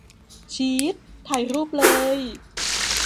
ชีส ? ถ่ายรูปเลย !